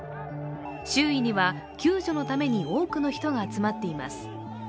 周囲には救助のために多くの人が集まっています。